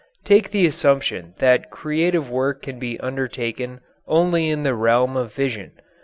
Take the assumption that creative work can be undertaken only in the realm of vision.